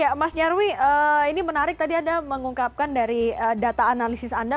ya mas nyarwi ini menarik tadi anda mengungkapkan dari data analisis anda